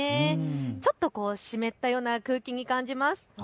ちょっと湿ったような空気に感じます。